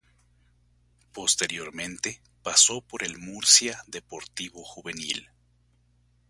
Posteriormente pasó por el Murcia Deportivo juvenil.